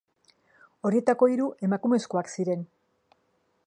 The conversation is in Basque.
Horietako hiru emakumezkoak ziren.